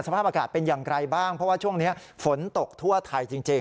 สภาพอากาศเป็นอย่างไรบ้างเพราะว่าช่วงนี้ฝนตกทั่วไทยจริง